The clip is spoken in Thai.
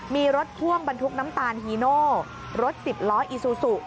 มีรถพ่วงบรรทุกน้ำตาลฮีโน่รถสิบล้ออีซูซู